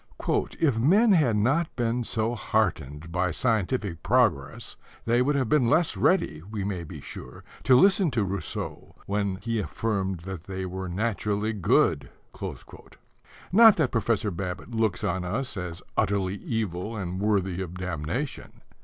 "If men had not been so heartened by scientific progress they would have been less ready, we may be sure, to listen to Rousseau when he affirmed that they were naturally good." Not that Professor Babbitt looks on us as utterly evil and worthy of damnation.